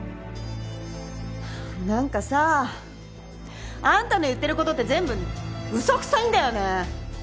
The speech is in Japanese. なんかさあんたの言ってる事って全部嘘くさいんだよね。